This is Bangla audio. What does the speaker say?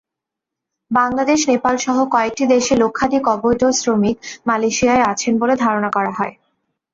বাংলাদেশ, নেপালসহ কয়েকটি দেশের লক্ষাধিক অবৈধ শ্রমিক মালয়েশিয়ায় আছেন বলে ধারণা করা হয়।